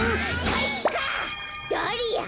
ダリア！